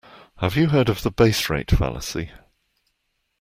Have you heard of the base rate fallacy?